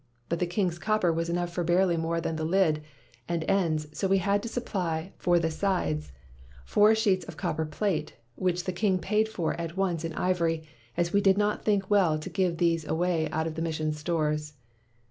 But the king's copper was enough for barely more than the lid and ends, so we had to supply for the sides four 183 WHITE MAN OF WORK sheets of copper plate, which the king paid for at once in ivory, as we did not think well to give these away out of the mission 's stores.